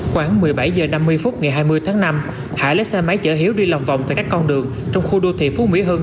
khoảng một mươi bảy h năm mươi phút ngày hai mươi tháng năm hải lấy xe máy chở hiếu đi lòng vòng tại các con đường trong khu đô thị phú mỹ hưng